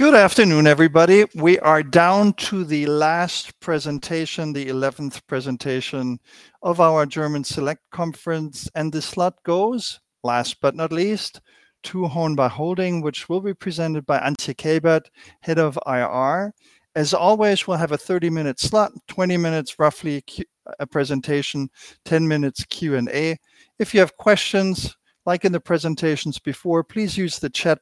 Good afternoon, everybody. We are down to the last presentation, the 11th presentation of our German Select Conference, and the slot goes, last but not least, to HORNBACH Holding, which will be presented by Antje Kelbert, Head of IR. As always, we'll have a 30-minute slot, 20 minutes, roughly, presentation, 10 minutes Q&A. If you have questions, like in the presentations before, please use the chat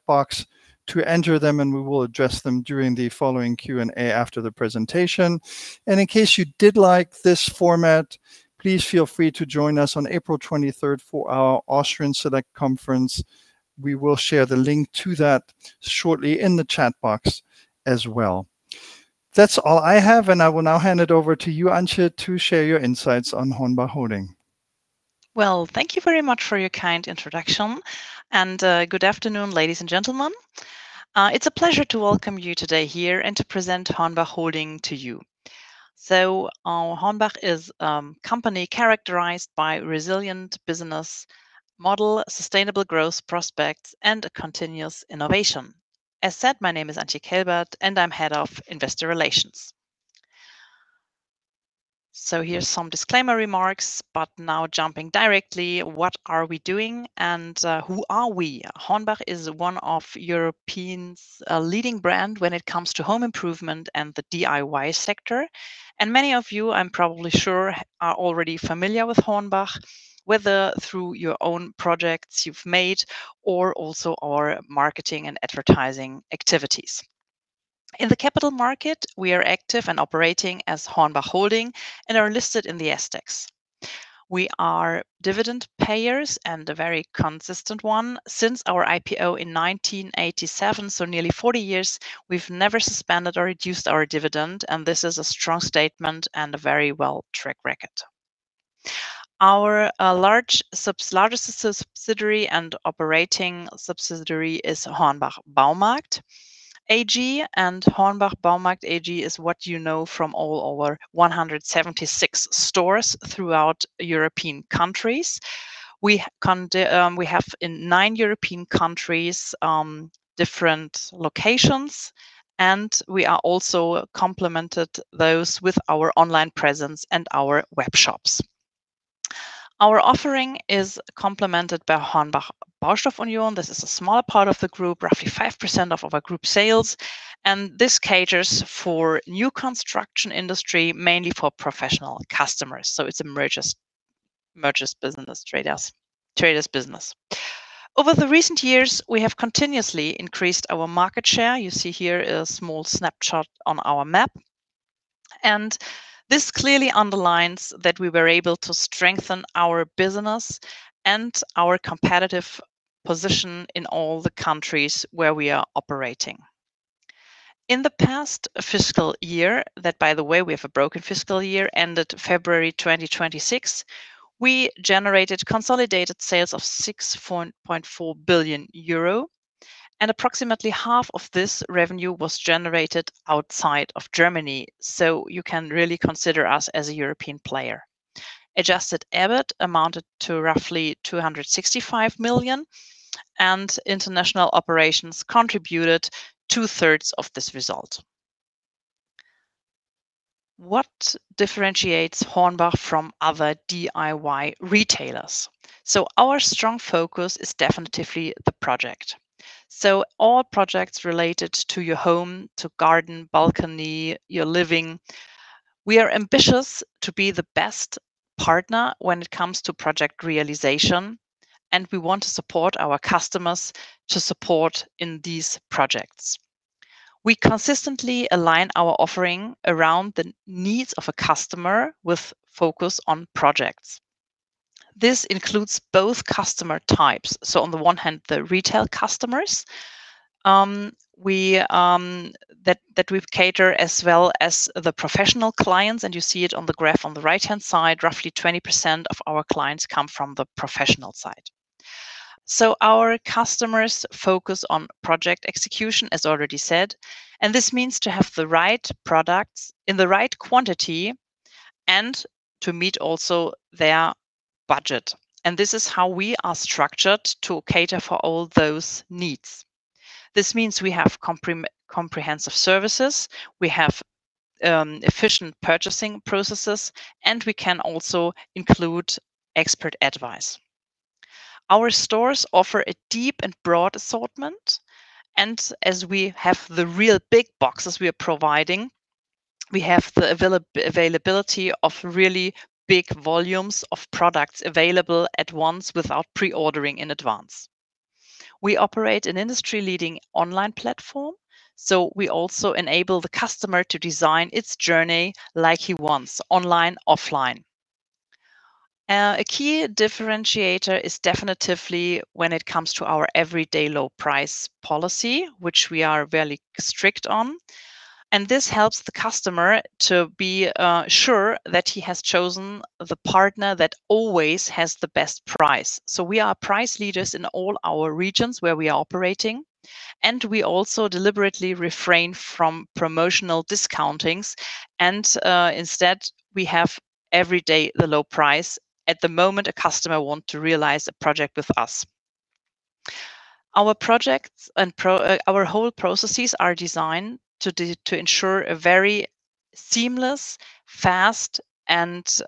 box to enter them, and we will address them during the following Q&A after the presentation. In case you did like this format, please feel free to join us on April 23rd for our Austrian Select Conference. We will share the link to that shortly in the chat box as well. That's all I have, and I will now hand it over to you, Antje, to share your insights on HORNBACH Holding. Well, thank you very much for your kind introduction, and good afternoon, ladies and gentlemen. It's a pleasure to welcome you today here and to present HORNBACH Holding to you. HORNBACH is a company characterized by resilient business model, sustainable growth prospects, and a continuous innovation. As said, my name is Antje Kelbert, and I'm Head of Investor Relations. Here's some disclaimer remarks, but now jumping directly, what are we doing and who are we? HORNBACH is one of European's leading brand when it comes to home improvement and the DIY sector. Many of you, I'm probably sure, are already familiar with HORNBACH, whether through your own projects you've made or also our marketing and advertising activities. In the capital market, we are active and operating as HORNBACH Holding and are listed in the SDAX. We are dividend payers and a very consistent one. Since our IPO in 1987, so nearly 40 years, we've never suspended or reduced our dividend, and this is a strong statement and a very well track record. Our largest subsidiary and operating subsidiary is HORNBACH Baumarkt AG, and HORNBACH Baumarkt AG is what you know from all our 176 stores throughout European countries. We have in nine European countries, different locations, and we are also complemented those with our online presence and our web shops. Our offering is complemented by HORNBACH Baustoff Union. This is a smaller part of the group, roughly 5% of our group sales, and this caters for new construction industry, mainly for professional customers. It's a merchant's business, trader's business. Over the recent years, we have continuously increased our market share. You see here a small snapshot on our map. This clearly underlines that we were able to strengthen our business and our competitive position in all the countries where we are operating. In the past fiscal year, that, by the way, we have a broken fiscal year, ended February 2026, we generated consolidated sales of 6.4 billion euro, and approximately half of this revenue was generated outside of Germany. You can really consider us as a European player. Adjusted EBIT amounted to roughly 265 million, and international operations contributed 2/3 of this result. What differentiates HORNBACH from other DIY retailers? Our strong focus is definitively the project. All projects related to your home, to garden, balcony, your living, we are ambitious to be the best partner when it comes to project realization, and we want to support our customers to support in these projects. We consistently align our offering around the needs of a customer with focus on projects. This includes both customer types. On the one hand, the retail customers that we cater as well as the professional clients, and you see it on the graph on the right-hand side, roughly 20% of our clients come from the professional side. Our customers focus on project execution, as already said, and this means to have the right products in the right quantity and to meet also their budget. This is how we are structured to cater for all those needs. This means we have comprehensive services, we have efficient purchasing processes, and we can also include expert advice. Our stores offer a deep and broad assortment, and as we have the real big boxes we are providing, we have the availability of really big volumes of products available at once without pre-ordering in advance. We operate an industry-leading online platform, so we also enable the customer to design its journey like he wants, online, offline. A key differentiator is definitively when it comes to our everyday low price policy, which we are very strict on. This helps the customer to be sure that he has chosen the partner that always has the best price. We are price leaders in all our regions where we are operating, and we also deliberately refrain from promotional discountings, and instead, we have every day the low price at the moment a customer want to realize a project with us. Our projects and our whole processes are designed to ensure a very seamless, fast, and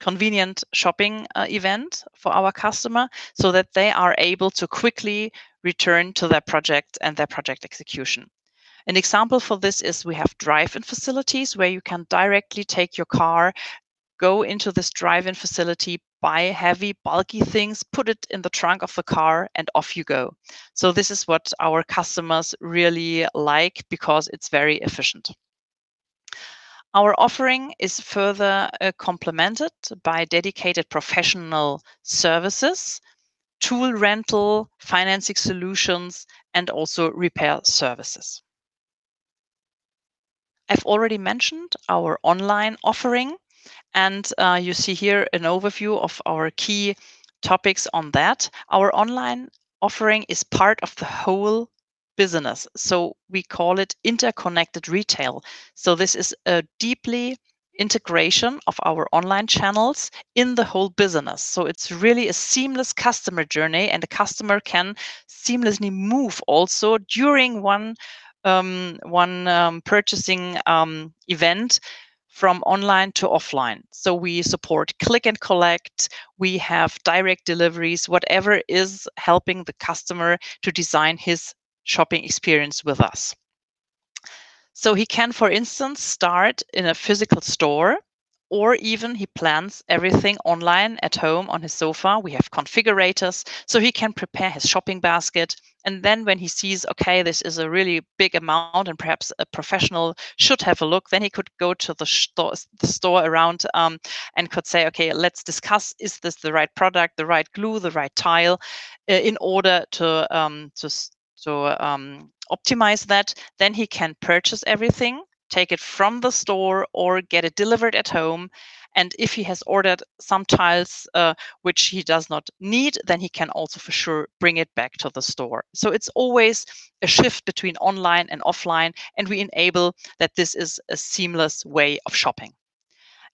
convenient shopping event for our customer so that they are able to quickly return to their project and their project execution. An example for this is we have drive-in facilities where you can directly take your car, go into this drive-in facility, buy heavy, bulky things, put it in the trunk of the car, and off you go. This is what our customers really like because it's very efficient. Our offering is further complemented by dedicated professional services, tool rental, financing solutions, and also repair services. I've already mentioned our online offering, and you see here an overview of our key topics on that. Our online offering is part of the whole business. We call it Interconnected Retail. This is a deeply integration of our online channels in the whole business. It's really a seamless customer journey and the customer can seamlessly move also during one purchasing event from online to offline. We support click and collect. We have direct deliveries, whatever is helping the customer to design his shopping experience with us. He can, for instance, start in a physical store, or even he plans everything online at home on his sofa. We have configurators, so he can prepare his shopping basket. When he sees, okay, this is a really big amount and perhaps a professional should have a look, then he could go to the store around, and could say, "Okay, let's discuss, is this the right product, the right glue, the right tile?" in order to optimize that. He can purchase everything, take it from the store or get it delivered at home. If he has ordered some tiles, which he does not need, then he can also for sure bring it back to the store. It's always a shift between online and offline, and we enable that this is a seamless way of shopping.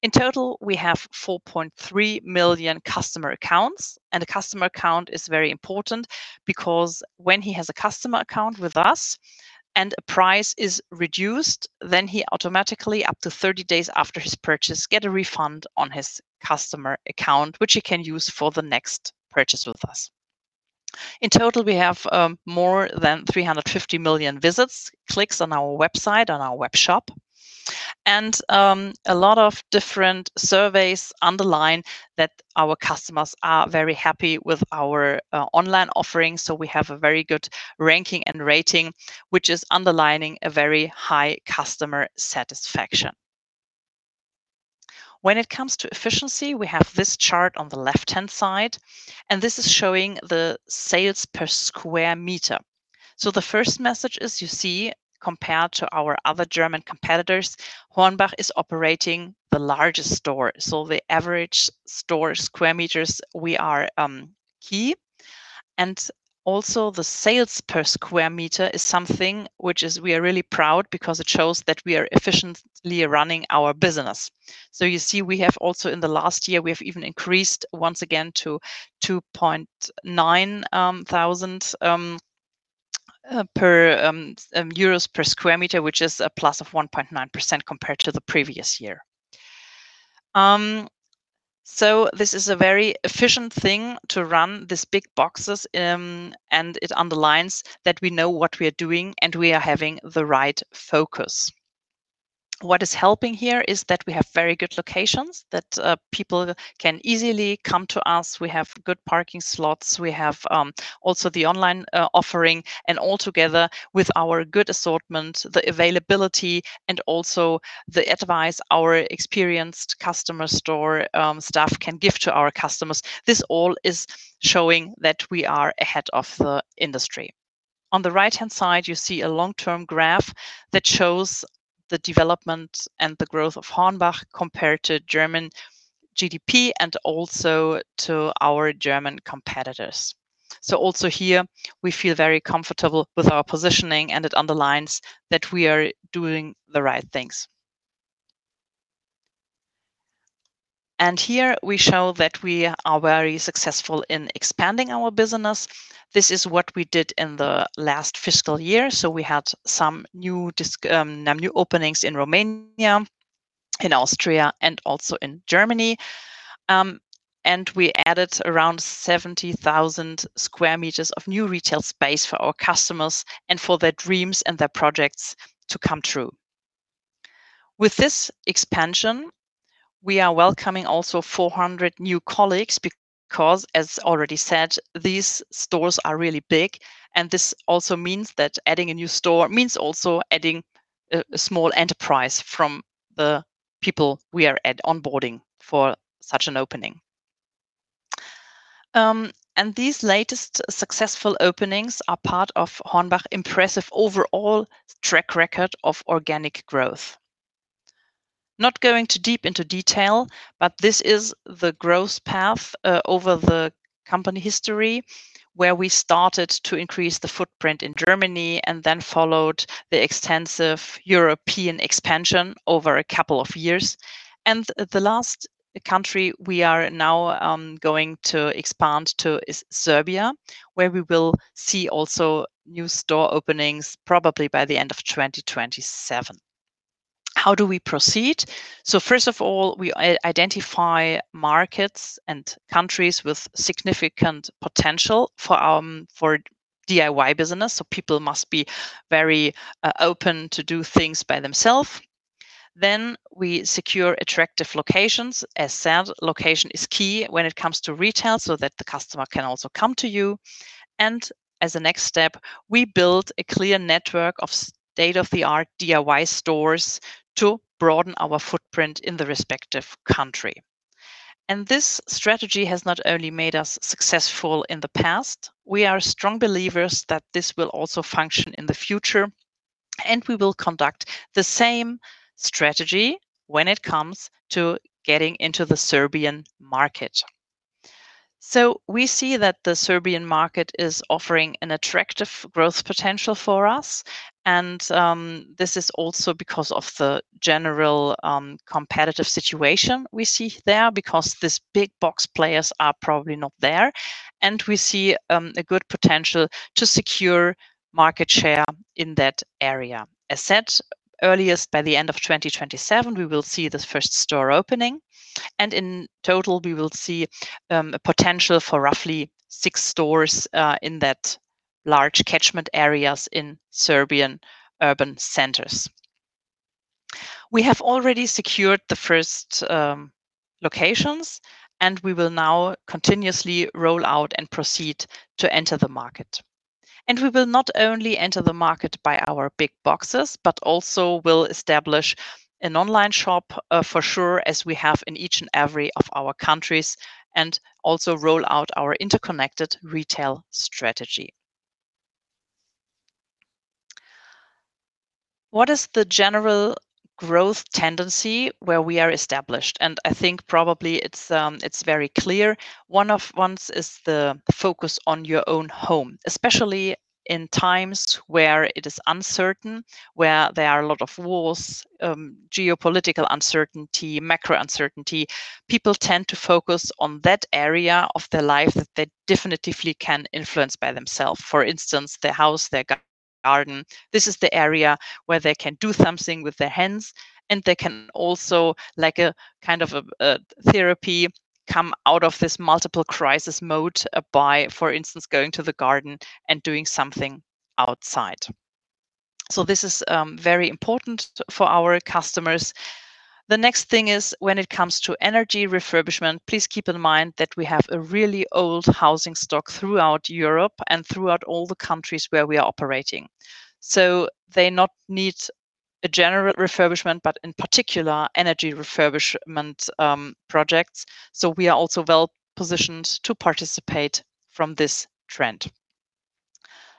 In total, we have 4.3 million customer accounts, and a customer account is very important because when he has a customer account with us and a price is reduced, then he automatically, up to 30 days after his purchase, get a refund on his customer account, which he can use for the next purchase with us. In total, we have more than 350 million visits, clicks on our website, on our webshop. A lot of different surveys underline that our customers are very happy with our online offerings. We have a very good ranking and rating, which is underlining a very high customer satisfaction. When it comes to efficiency, we have this chart on the left-hand side, and this is showing the sales per square meter. The first message is, you see, compared to our other German competitors, HORNBACH is operating the largest store. The average store square meters, we are key. Also the sales per square meter is something which we are really proud because it shows that we are efficiently running our business. You see, we have also in the last year, we have even increased once again to 2.9 thousand euros per sq m, which is a plus of 1.9% compared to the previous year. This is a very efficient thing to run this big boxes, and it underlines that we know what we are doing, and we are having the right focus. What is helping here is that we have very good locations that people can easily come to us. We have good parking slots. We have also the online offering and all together with our good assortment, the availability, and also the advice our experienced customer store staff can give to our customers. This all is showing that we are ahead of the industry. On the right-hand side, you see a long-term graph that shows the development and the growth of HORNBACH compared to German GDP and also to our German competitors. Also here, we feel very comfortable with our positioning, and it underlines that we are doing the right things. Here we show that we are very successful in expanding our business. This is what we did in the last fiscal year. We had some new openings in Romania, in Austria, and also in Germany. We added around 70,000 square meters of new retail space for our customers and for their dreams and their projects to come true. With this expansion, we are welcoming also 400 new colleagues because, as already said, these stores are really big, and this also means that adding a new store means also adding a small enterprise from the people we are onboarding for such an opening. These latest successful openings are part of HORNBACH impressive overall track record of organic growth. Not going too deep into detail, but this is the growth path over the company history, where we started to increase the footprint in Germany and then followed the extensive European expansion over a couple of years. The last country we are now going to expand to is Serbia, where we will see also new store openings, probably by the end of 2027. How do we proceed? First of all, we identify markets and countries with significant potential for DIY business. People must be very open to do things by themselves. We secure attractive locations. As said, location is key when it comes to retail so that the customer can also come to you. As a next step, we build a clear network of state-of-the-art DIY stores to broaden our footprint in the respective country. This strategy has not only made us successful in the past. We are strong believers that this will also function in the future, and we will conduct the same strategy when it comes to getting into the Serbian market. We see that the Serbian market is offering an attractive growth potential for us, and this is also because of the general competitive situation we see there because these big-box players are probably not there, and we see a good potential to secure market share in that area. As said, earliest by the end of 2027, we will see the first store opening, and in total, we will see a potential for roughly six stores in that large catchment areas in Serbian urban centers. We have already secured the first locations, and we will now continuously roll out and proceed to enter the market. We will not only enter the market by our big boxes, but also will establish an online shop for sure, as we have in each and every of our countries, and also roll out our Interconnected Retail strategy. What is the general growth tendency where we are established? I think probably it's very clear. One of ones is the focus on your own home, especially in times where it is uncertain, where there are a lot of wars, geopolitical uncertainty, macro uncertainty, people tend to focus on that area of their life that they definitively can influence by themselves For instance, their house, their garden. This is the area where they can do something with their hands, and they can also, like a kind of a therapy, come out of this multiple crisis mode by, for instance, going to the garden and doing something outside. This is very important for our customers. The next thing is when it comes to energy refurbishment, please keep in mind that we have a really old housing stock throughout Europe and throughout all the countries where we are operating. They not need a general refurbishment, but in particular energy refurbishment projects. We are also well-positioned to participate from this trend.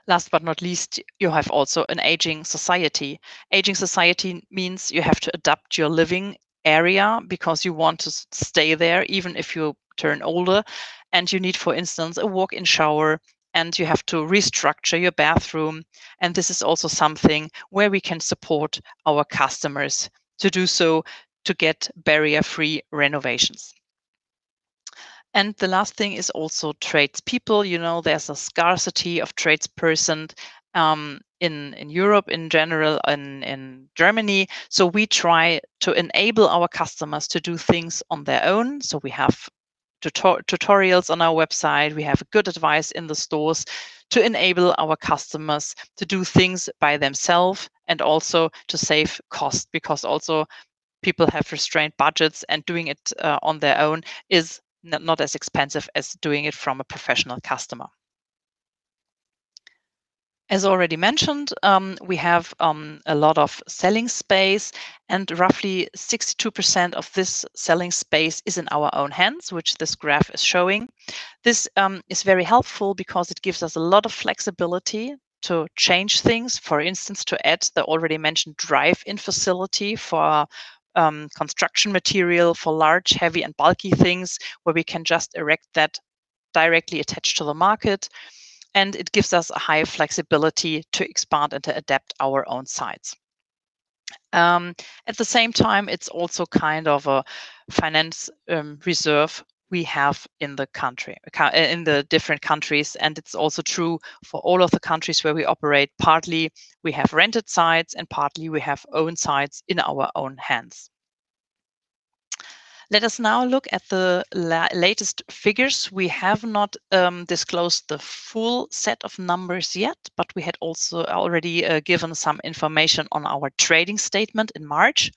Last but not least, you have also an aging society. Aging society means you have to adapt your living area because you want to stay there even if you turn older, and you need, for instance, a walk-in shower and you have to restructure your bathroom. This is also something where we can support our customers to do so to get barrier-free renovations. The last thing is also tradespeople. There's a scarcity of tradesperson in Europe in general and in Germany. We try to enable our customers to do things on their own. We have tutorials on our website. We have good advice in the stores to enable our customers to do things by themselves and also to save cost, because also people have restrained budgets, and doing it on their own is not as expensive as doing it from a professional customer. As already mentioned, we have a lot of selling space, and roughly 62% of this selling space is in our own hands, which this graph is showing. This is very helpful because it gives us a lot of flexibility to change things. For instance, to add the already mentioned drive-in facility for construction material, for large, heavy, and bulky things, where we can just erect that directly attached to the market, and it gives us a high flexibility to expand and to adapt our own sites. At the same time, it's also kind of a finance reserve we have in the different countries, and it's also true for all of the countries where we operate. Partly, we have rented sites, and partly we have own sites in our own hands. Let us now look at the latest figures. We have not disclosed the full set of numbers yet, but we had also already given some information on our trading statement in March.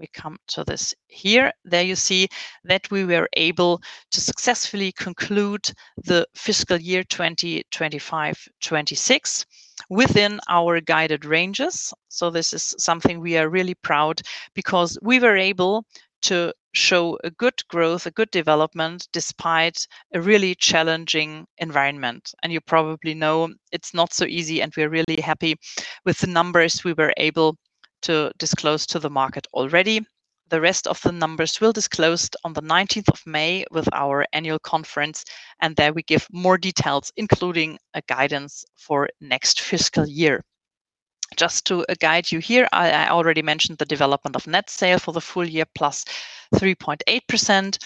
We come to this here. There you see that we were able to successfully conclude the fiscal year 2025, 2026 within our guided ranges. This is something we are really proud because we were able to show a good growth, a good development, despite a really challenging environment. You probably know it's not so easy, and we're really happy with the numbers we were able to disclose to the market already. The rest of the numbers we'll disclose on the 19th of May with our annual conference, and there we give more details, including a guidance for next fiscal year. Just to guide you here, I already mentioned the development of net sale for the full year, +3.8%.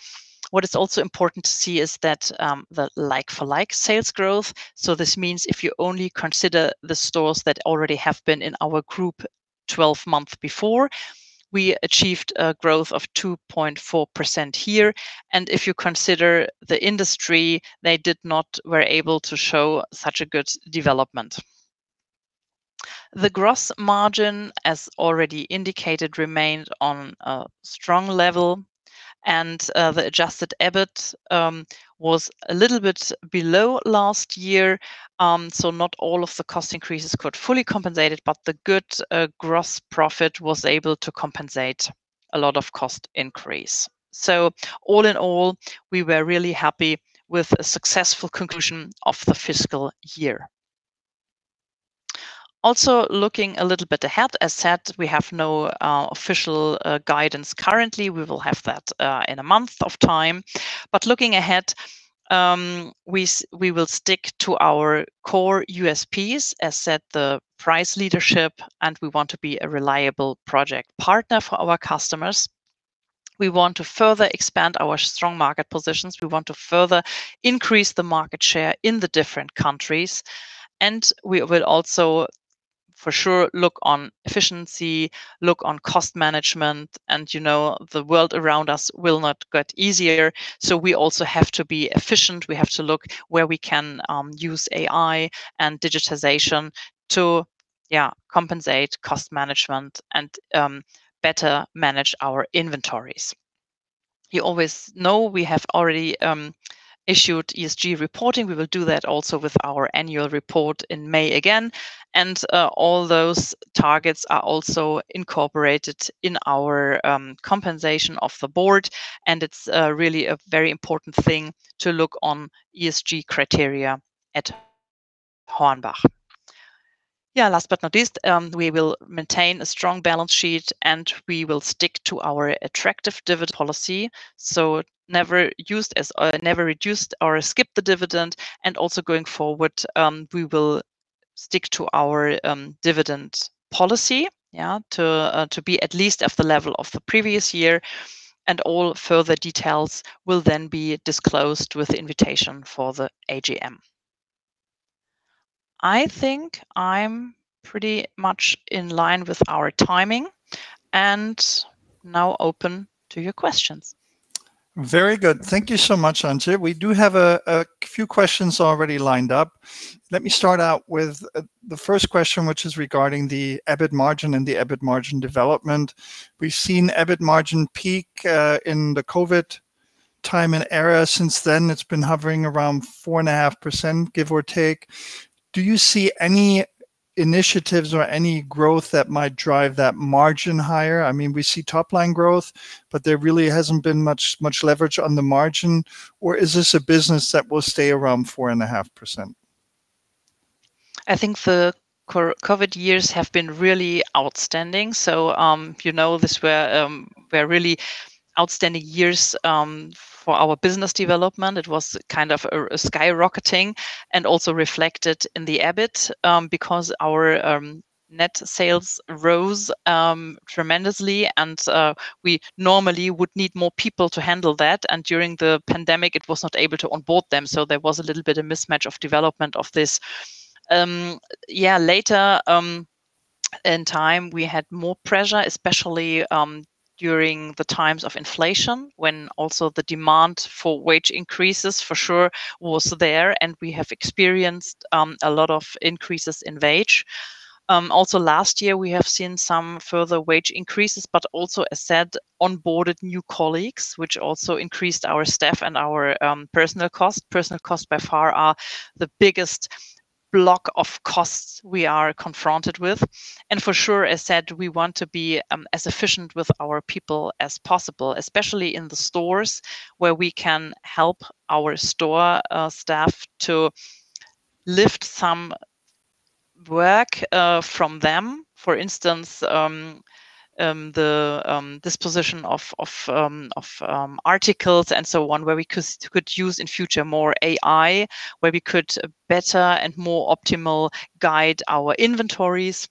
What is also important to see is the like-for-like sales growth. This means if you only consider the stores that already have been in our group 12 months before, we achieved a growth of 2.4% here. If you consider the industry, they did not were able to show such a good development. The gross margin, as already indicated, remained on a strong level, and the adjusted EBIT was a little bit below last year. Not all of the cost increases got fully compensated, but the good gross profit was able to compensate a lot of cost increase. All in all, we were really happy with a successful conclusion of the fiscal year. Also, looking a little bit ahead, as said, we have no official guidance currently. We will have that in a month of time. Looking ahead, we will stick to our core USPs, as said, the price leadership, and we want to be a reliable project partner for our customers. We want to further expand our strong market positions. We want to further increase the market share in the different countries, and we will also for sure look on efficiency, look on cost management, and the world around us will not get easier, so we also have to be efficient. We have to look where we can use AI and digitization to compensate cost management and better manage our inventories. You always know we have already issued ESG reporting. We will do that also with our annual report in May again. All those targets are also incorporated in our compensation of the Board. It's really a very important thing to look on ESG criteria at HORNBACH. Last but not least, we will maintain a strong balance sheet. We will stick to our attractive dividend policy, never reduced or skip the dividend. Also going forward, we will stick to our dividend policy to be at least at the level of the previous year. All further details will then be disclosed with the invitation for the AGM. I think I'm pretty much in line with our timing and now open to your questions. Very good. Thank you so much, Antje. We do have a few questions already lined up. Let me start out with the first question, which is regarding the EBIT margin and the EBIT margin development. We've seen EBIT margin peak in the COVID time and era. Since then, it's been hovering around 4.5%, give or take. Do you see any initiatives or any growth that might drive that margin higher? We see top-line growth, but there really hasn't been much leverage on the margin. Is this a business that will stay around 4.5%? I think the COVID years have been really outstanding. You know, these were really outstanding years for our business development. It was kind of skyrocketing and also reflected in the EBIT, because our net sales rose tremendously, and we normally would need more people to handle that. During the pandemic, it was not able to onboard them, so there was a little bit of mismatch of development of this. Later in time, we had more pressure, especially during the times of inflation, when also the demand for wage increases for sure was there, and we have experienced a lot of increases in wage. Also last year, we have seen some further wage increases, but also, as said, onboarded new colleagues, which also increased our staff and our personnel costs. Personnel costs by far are the biggest block of costs we are confronted with. For sure, as said, we want to be as efficient with our people as possible, especially in the stores where we can help our store staff to lift some work from them. For instance, the disposition of articles and so on, where we could use in future more AI, where we could better and more optimal guide our inventories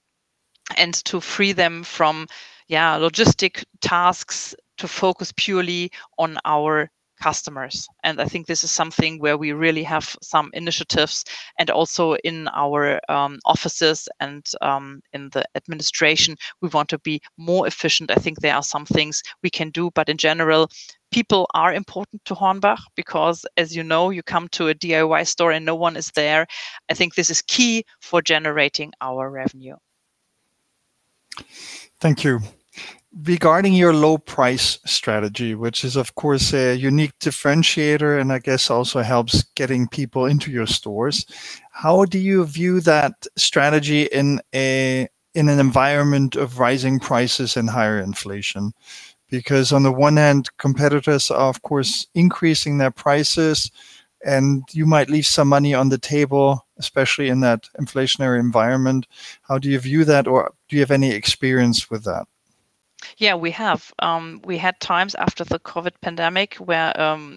and to free them from logistic tasks to focus purely on our customers. I think this is something where we really have some initiatives, and also in our offices and in the administration, we want to be more efficient. I think there are some things we can do, but in general, people are important to HORNBACH because, as you know, you come to a DIY store and no one is there. I think this is key for generating our revenue. Thank you. Regarding your low-price strategy, which is of course a unique differentiator and I guess also helps getting people into your stores, how do you view that strategy in an environment of rising prices and higher inflation? Because on the one hand, competitors are, of course, increasing their prices, and you might leave some money on the table, especially in that inflationary environment, how do you view that, or do you have any experience with that? Yeah, we have. We had times after the COVID pandemic where,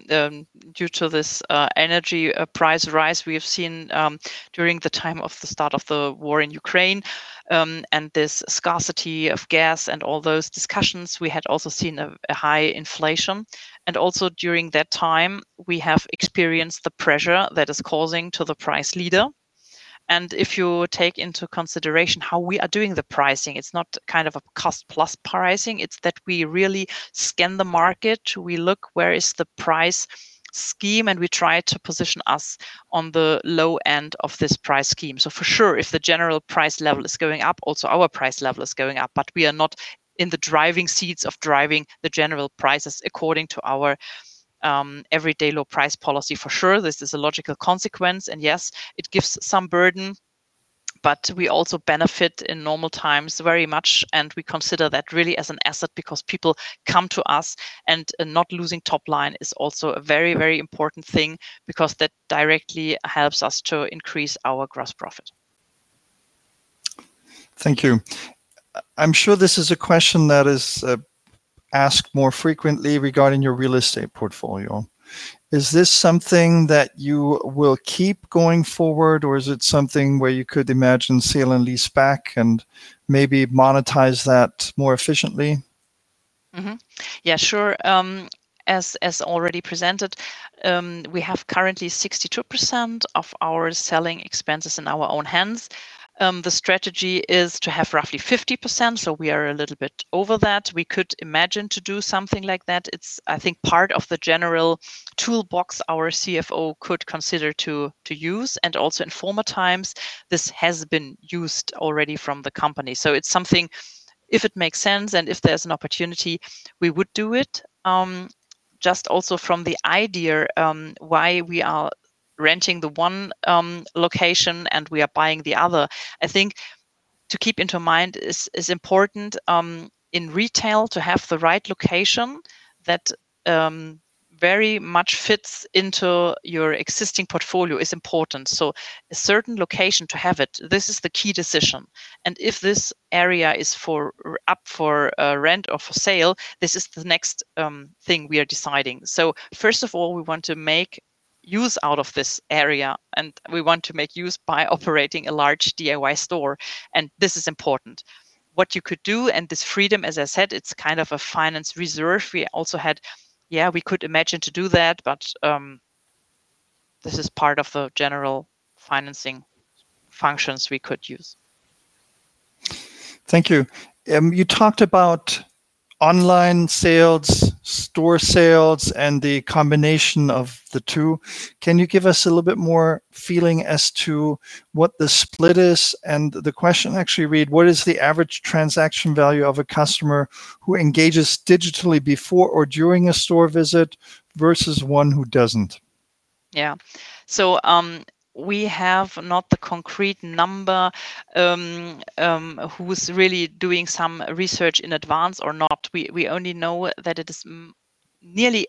due to this energy price rise we have seen during the time of the start of the war in Ukraine, and this scarcity of gas and all those discussions, we had also seen a high inflation. Also during that time, we have experienced the pressure that is causing to the price leader. If you take into consideration how we are doing the pricing, it's not a cost-plus pricing, it's that we really scan the market. We look where is the price scheme, and we try to position us on the low end of this price scheme. For sure, if the general price level is going up, also our price level is going up. We are not in the driving seats of driving the general prices according to our everyday low price policy. For sure, this is a logical consequence. Yes, it gives some burden, but we also benefit in normal times very much. We consider that really as an asset because people come to us. Not losing top line is also a very important thing because that directly helps us to increase our gross profit. Thank you. I'm sure this is a question that is asked more frequently regarding your real estate portfolio. Is this something that you will keep going forward, or is it something where you could imagine sale and leaseback and maybe monetize that more efficiently? Mm-hmm. Yeah, sure. As already presented, we have currently 62% of our selling space in our own hands. The strategy is to have roughly 50%, so we are a little bit over that. We could imagine to do something like that. It's, I think, part of the general toolbox our CFO could consider to use, and also in former times, this has been used already from the company. It's something if it makes sense and if there's an opportunity, we would do it. Just also from the idea, why we are renting the one location and we are buying the other, I think to keep into mind is important, in retail, to have the right location that very much fits into your existing portfolio is important. A certain location to have it, this is the key decision. If this area is up for rent or for sale, this is the next thing we are deciding. First of all, we want to make use out of this area, and we want to make use by operating a large DIY store, and this is important. What you could do, and this freedom, as I said, it's kind of a finance reserve. We could imagine to do that, but this is part of the general financing functions we could use. Thank you. You talked about online sales, store sales, and the combination of the two. Can you give us a little bit more feeling as to what the split is? The question actually read, "What is the average transaction value of a customer who engages digitally before or during a store visit versus one who doesn't? Yeah. We have not the concrete number, who's really doing some research in advance or not. We only know that nearly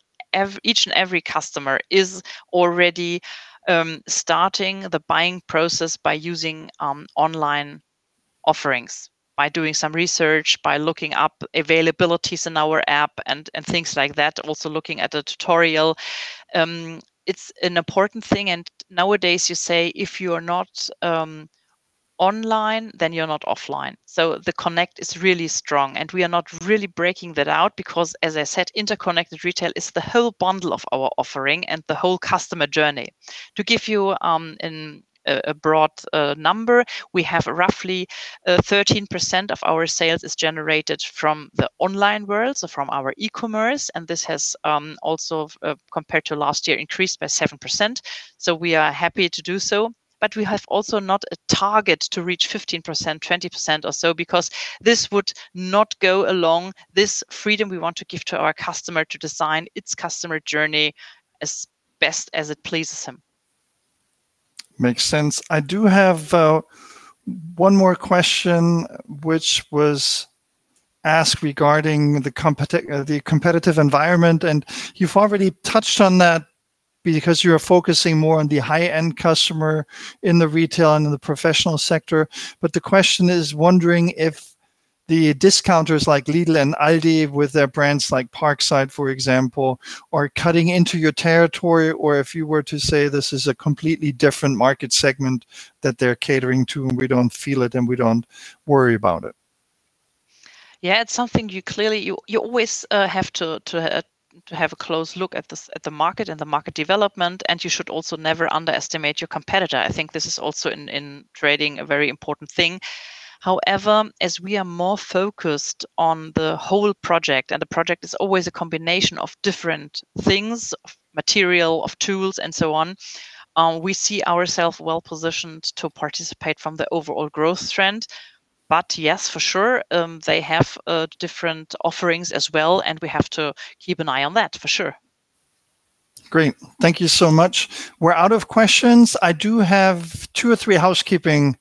each and every customer is already starting the buying process by using online offerings, by doing some research, by looking up availabilities in our app and things like that, also looking at the tutorial. It's an important thing, and nowadays you say if you are not online, then you're not offline. The connect is really strong, and we are not really breaking that out because, as I said, Interconnected Retail is the whole bundle of our offering and the whole customer journey. To give you a broad number, we have roughly 13% of our sales is generated from the online world, so from our e-commerce, and this has also, compared to last year, increased by 7%. We are happy to do so. We have also not a target to reach 15%-20% or so because this would not go along, this freedom we want to give to our customer to design its customer journey as best as it pleases him. Makes sense. I do have one more question which was asked regarding the competitive environment, and you've already touched on that because you're focusing more on the high-end customer in the retail and the professional sector. The question is wondering if the discounters like Lidl and Aldi, with their brands like PARKSIDE, for example, are cutting into your territory, or if you were to say this is a completely different market segment that they're catering to, and we don't feel it, and we don't worry about it. Yeah, you always have to have a close look at the market and the market development, and you should also never underestimate your competitor. I think this is also, in trading, a very important thing. However, as we are more focused on the whole project, and the project is always a combination of different things, of material, of tools and so on, we see ourself well-positioned to participate from the overall growth trend. Yes, for sure, they have different offerings as well, and we have to keep an eye on that, for sure. Great. Thank you so much. We're out of questions. I do have two or three housekeeping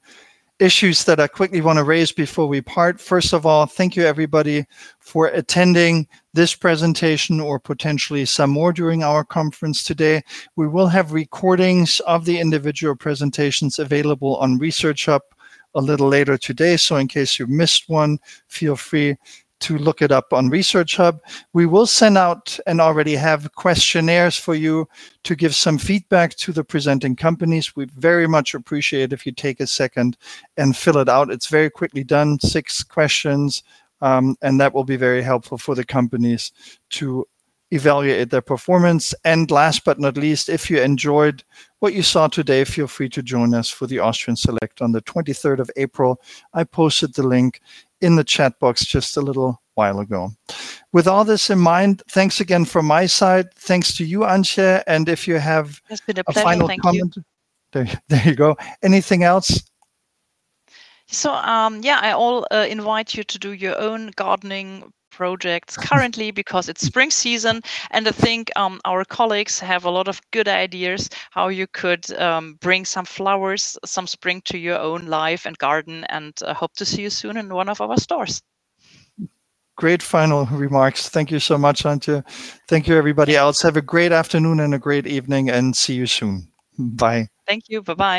issues that I quickly want to raise before we part. First of all, thank you everybody for attending this presentation or potentially some more during our conference today. We will have recordings of the individual presentations available on ResearchHub a little later today. In case you missed one, feel free to look it up on ResearchHub. We will send out, and already have, questionnaires for you to give some feedback to the presenting companies. We'd very much appreciate it if you'd take a second and fill it out. It's very quickly done, six questions, and that will be very helpful for the companies to evaluate their performance. Last but not least, if you enjoyed what you saw today, feel free to join us for the Austrian Select on the 23rd of April. I posted the link in the chat box just a little while ago. With all this in mind, thanks again from my side. Thanks to you, Antje. It's been a pleasure. Thank you. A final comment. There you go. Anything else? Yeah, I'll invite you to do your own gardening projects currently because it's spring season. I think our colleagues have a lot of good ideas how you could bring some flowers, some spring to your own life and garden. I hope to see you soon in one of our stores. Great final remarks. Thank you so much, Antje. Thank you, everybody else. Have a great afternoon and a great evening, and see you soon. Bye. Thank you. Bye-bye.